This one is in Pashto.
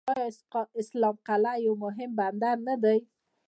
آیا اسلام قلعه یو مهم بندر نه دی؟